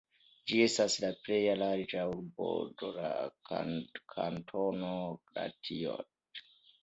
Ĝi estas la plej larĝa urbo de la kantono Gratiot.